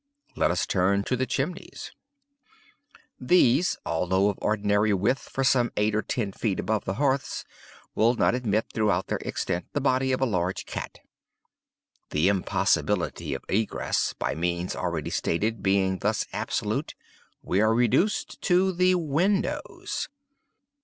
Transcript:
Let us turn to the chimneys. These, although of ordinary width for some eight or ten feet above the hearths, will not admit, throughout their extent, the body of a large cat. The impossibility of egress, by means already stated, being thus absolute, we are reduced to the windows.